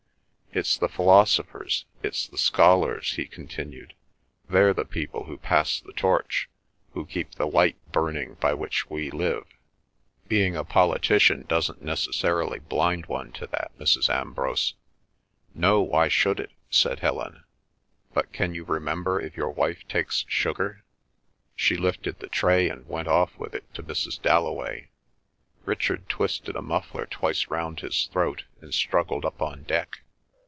It's the philosophers, it's the scholars," he continued, "they're the people who pass the torch, who keep the light burning by which we live. Being a politician doesn't necessarily blind one to that, Mrs. Ambrose." "No. Why should it?" said Helen. "But can you remember if your wife takes sugar?" She lifted the tray and went off with it to Mrs. Dalloway. Richard twisted a muffler twice round his throat and struggled up on deck.